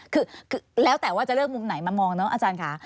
คือแล้วแต่ว่าจะเลือกมุมไหนมามองเนอะอาจารย์ค่ะ